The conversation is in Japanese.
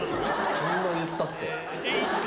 そんな言ったって。